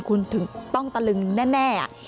คุณถึงต้องตะลึงแน่